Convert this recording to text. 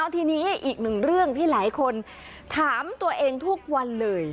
ทีนี้อีกหนึ่งเรื่องที่หลายคนถามตัวเองทุกวันเลย